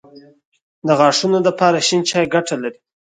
د غاښونو دپاره شين چای ګټه لري